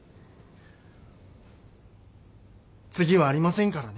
次はありませんからね。